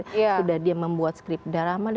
sudah dia membuat skrip drama